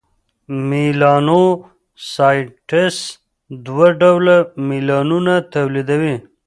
میلانوسایټس دوه ډوله میلانون تولیدوي: